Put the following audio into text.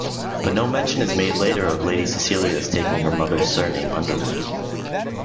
But no mention is made later of Lady Cecilia's taking her mother's surname Underwood.